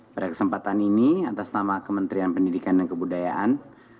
pada kesempatan ini atas nama kementerian pendidikan dan kebudayaan